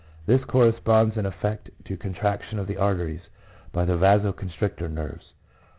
This corresponds in effect to contraction of the arteries by the vaso constrictor nerves.